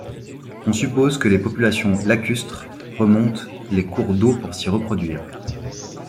On suppose que les populations lacustres remontent les cours d'eau pour s'y reproduire.